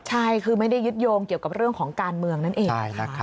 ใช่คือไม่ได้ยึดโยงเกี่ยวกับเรื่องของการเมืองนั่นเอง